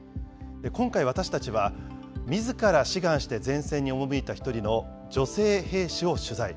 今回、私たちは、みずから志願して前線に赴いた一人の女性兵士を取材。